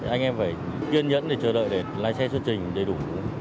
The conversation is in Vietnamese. anh em phải kiên nhẫn để chờ đợi để lái xe xuất trình đầy đủ